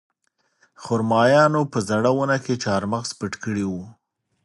خرمایانو په زړه ونه کې چارمغز پټ کړي وو